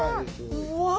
うわ。